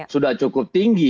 sudah cukup tinggi